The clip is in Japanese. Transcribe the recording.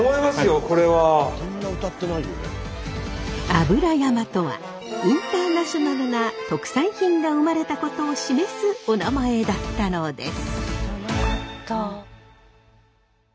油山とはインターナショナルな特産品が生まれたことを示すお名前だったのです。